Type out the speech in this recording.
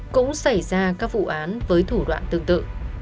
cũng xảy ra các vụ án với thủ đoạn tương tự